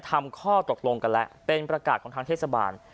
ทำข้อตกลงกันแล้วเป็นประกาศของทางเทศบาล